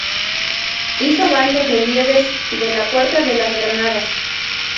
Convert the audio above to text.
Hizo varios relieves de la Puerta de las Granadas.